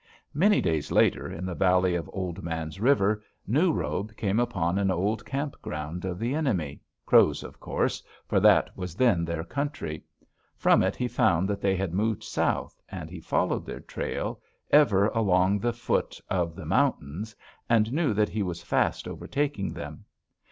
"Many days later, in the valley of Old Man's River, New Robe came upon an old camp ground of the enemy Crows, of course, for that was then their country. From it he found that they had moved south, and he followed their trail, ever along the foot of the mountains, and knew that he was fast overtaking them.